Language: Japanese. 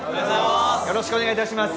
よろしくお願いします。